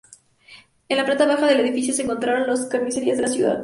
En la planta baja del edificio se encontraban las Carnicerías de la ciudad.